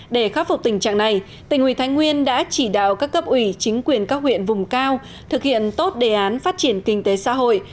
để khắc phục tình trạng này tỉnh ủy thái nguyên đã chỉ đạo các cấp ủy chính quyền các huyện vùng cao thực hiện tốt đề án phát triển kinh tế xã hội